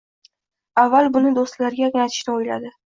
Avval buni do'stlariga anglatishni o'yladi.